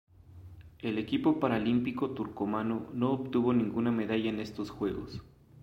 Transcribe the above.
El equipo paralímpico turcomano no obtuvo ninguna medalla en estos Juegos.